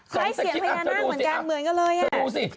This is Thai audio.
ใช้เสียงพยาน่างเหมือนกันเลยอ่ะ